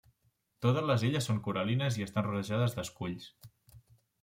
Totes les illes són coral·lines i estan rodejades d'esculls.